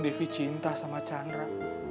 defy cinta sama chandra